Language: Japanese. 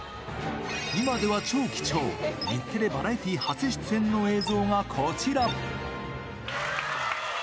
今では超貴重、日テレバラエティー初出演の映像がこちら。